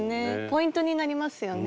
ポイントになりますよね。